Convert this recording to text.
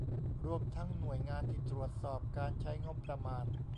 รวมทั้งหน่วยงานที่ตรวจสอบการใช้งบประมาณ